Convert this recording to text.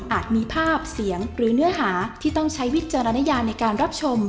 มีภาพเสียงหรือเนื้อหาที่ต้องใช้วิจารณญาในการรับชม